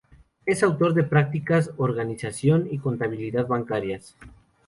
Es autor de Prácticas, organización y contabilidad bancarias.